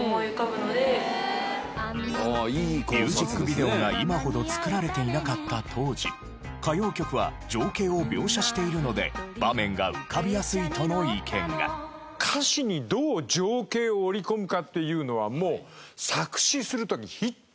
ミュージックビデオが今ほど作られていなかった当時歌謡曲は情景を描写しているので場面が浮かびやすいとの意見が。っていうのはもう作詞する時。